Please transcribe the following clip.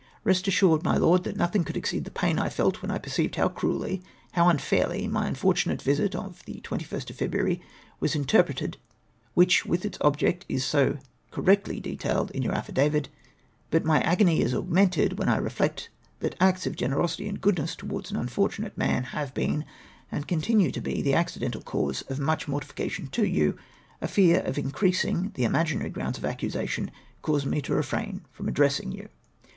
" Eest assured, my Lord, that nothing could exceed the pain I felt when I perceived how cruelly, how unfairly my im fortunate visit of tlie 2Lst of February was interpreted (ivhicli, with. Its ohjrcf, is so co r recti ij detailed in, your ajfi davit) ; but my agony is augmented, when I reflect that acts of generosity and goodness towards an unfortunate man have been, and continue to be, the accidental cause of much mor tification to you : a fear of increasiiig the imaginary grounds of accusation caused me to refrain from addressing you.